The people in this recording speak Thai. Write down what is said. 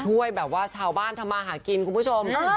ช่วยแบบว่าชาวบ้านทำมาหากินคุณผู้ชม